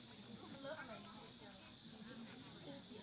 สวัสดีสวัสดี